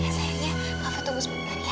sayangnya maaf tunggu sebentar ya